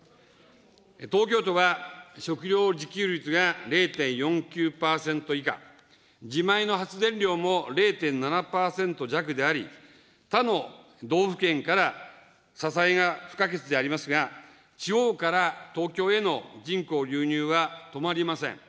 東京都は食料自給率が０．４９％以下、自前の発電量も０．７％弱であり、他の道府県から支えが不可欠でありますが、地方から東京への人口流入は止まりません。